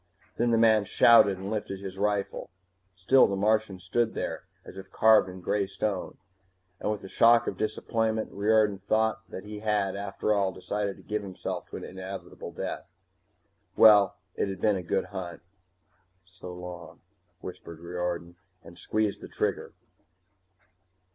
Then the man shouted and lifted his rifle. Still the Martian stood there as if carved in gray stone, and with a shock of disappointment Riordan thought that he had, after all, decided to give himself to an inevitable death. Well, it had been a good hunt. "So long," whispered Riordan, and squeezed the trigger.